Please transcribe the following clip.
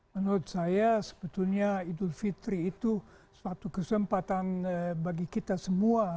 menurut saya sebetulnya idul fitri itu suatu kesempatan bagi kita semua